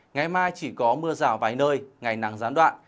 ngày mai chỉ có mưa rào vài nơi ngày nắng gián đoạn